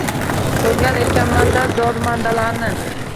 Ko’rgan ekanman-da zormandalarni.